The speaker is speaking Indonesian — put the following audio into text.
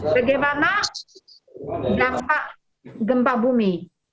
bagaimana dampak gempa bumi